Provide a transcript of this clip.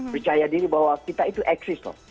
percaya diri bahwa kita itu eksis loh